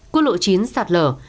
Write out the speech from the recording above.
quốc lộ chín sạt lở